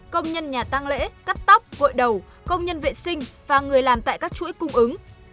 công nhân nhà tăng lễ cắt tóc gội đầu công nhân vệ sinh và người làm tại các chuỗi cung ứng